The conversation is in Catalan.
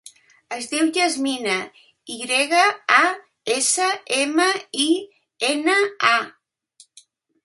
Es diu Yasmina: i grega, a, essa, ema, i, ena, a.